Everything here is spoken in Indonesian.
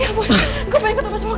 ya ampun gua balik ke tempat semoga rata